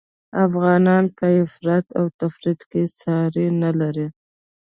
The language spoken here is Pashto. افغانان په افراط او تفریط کي ساری نلري